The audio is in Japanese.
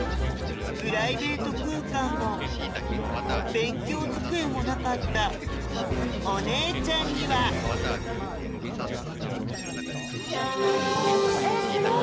プライベート空間も勉強机もなかったお姉ちゃんにはうわすげぇ！